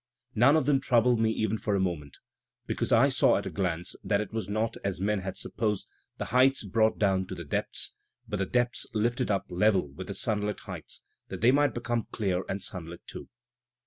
None of them troubled me even for a moment; because I saw at a glance that it was not, as men had supposed, the heights brought down to the depths, but the depths lifted up level with the sunUt heights, that they might become dear and sunlit too.